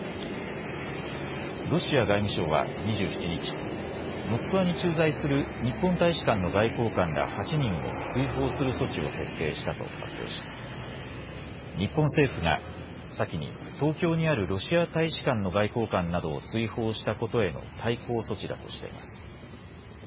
ロシア外務省は２７日、モスクワに駐在する日本大使館の外交官ら８人を追放する措置を決定したと発表し日本政府が先に東京にあるロシア大使館の外交官などを追放したことへの対抗措置だとしています。